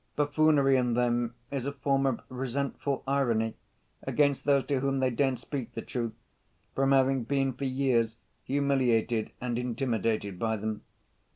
Buffoonery in them is a form of resentful irony against those to whom they daren't speak the truth, from having been for years humiliated and intimidated by them.